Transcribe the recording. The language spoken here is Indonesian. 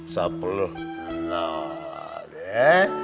sepuluh nah deh